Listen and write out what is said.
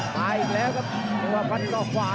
ตายอีกแล้วครับฟันด้วย๒ขวา